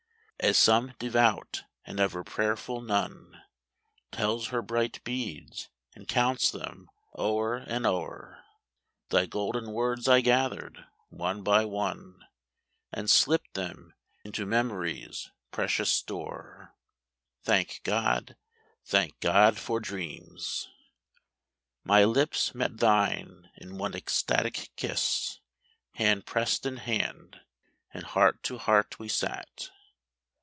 As some devout and ever prayerful nun Tells her bright beads, and counts them o'er and o'er, Thy golden words I gathered, one by one, And slipped them into memory's precious store. Thank God, thank God for dreams! My lips met thine in one ecstatic kiss. Hand pressed in hand, and heart to heart we sat.